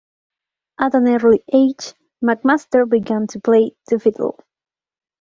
At an early age, MacMaster began to play the fiddle.